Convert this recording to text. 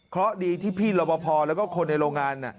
เพราะดีที่พี่รบพอแล้วก็คนในโรงงาน